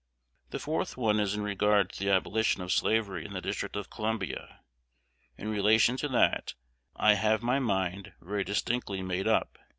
The fourth one is in regard to the abolition of slavery in the District of Columbia. In relation to that, I have my mind very distinctly made up.